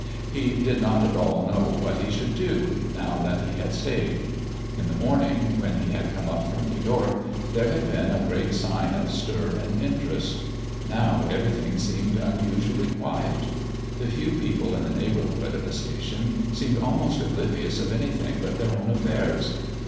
He did not at all know what he should do, now that he had stayed. In the morning, when he had come up from New York, there had been a great sign of stir and interest; now everything seemed unusually quiet. The few people in the neighborhood of the station seemed almost oblivious of anything but their own affairs.